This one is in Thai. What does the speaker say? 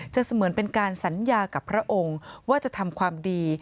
เสมือนเป็นการสัญญากับพระองค์ว่าจะทำความดี